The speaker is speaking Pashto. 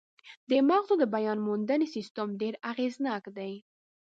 د مغزو د بیاموندنې سیستم ډېر اغېزناک دی.